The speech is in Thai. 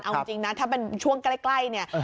เอาจริงนะถ้าเป็นช่วงใกล้เนี่ย